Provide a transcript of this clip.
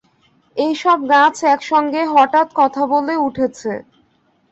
এইসব গাছ একসঙ্গে হঠাৎ কথা বলে উঠছে।